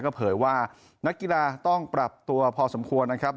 ก็เผยว่านักกีฬาต้องปรับตัวพอสมควรนะครับ